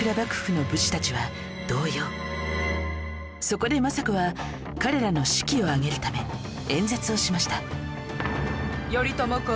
そこで政子は彼らの士気を上げるため演説をしました